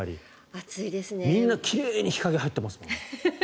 みんな奇麗に日陰に入ってますもん。